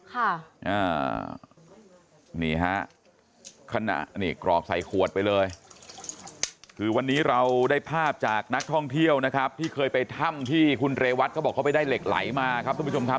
ค่ะอ่านี่ฮะขณะนี่กรอบใส่ขวดไปเลยคือวันนี้เราได้ภาพจากนักท่องเที่ยวนะครับที่เคยไปถ้ำที่คุณเรวัตเขาบอกเขาไปได้เหล็กไหลมาครับทุกผู้ชมครับ